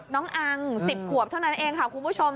อัง๑๐ขวบเท่านั้นเองค่ะคุณผู้ชม